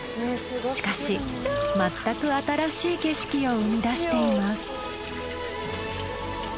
しかしまったく新しい景色を生み出しています。